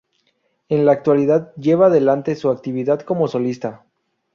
En la actualidad lleva adelante su actividad como solista.